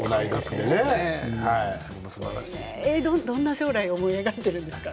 どんな将来を思い描いているんですか？